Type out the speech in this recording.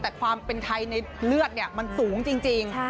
แต่ความเป็นไทด์ในเลือดเนี่ยเพราะมันสูงจริง